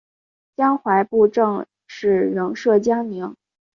江淮布政使仍设江宁。